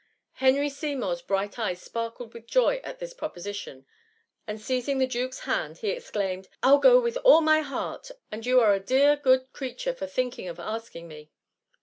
Henry Seymours bright eyes sparkled with joy at this proposition, and seizing the duke^s hand, he excliumed,— rU go with all my heart— and you are it dear good creature for thinking of asking me